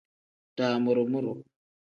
Damuru-muru.